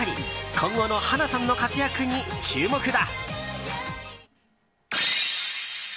今後の華さんの活躍に注目だ。